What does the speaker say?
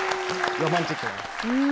ロマンチックな。